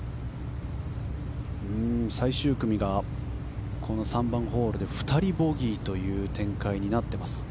最終組がこの３ホールで２人、ボギーの展開になっています。